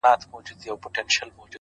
• شمع ده چي مړه سي رڼا نه لري,